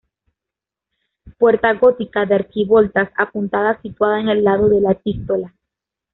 Puerta gótica de arquivoltas apuntadas situada en el lado de la Epístola.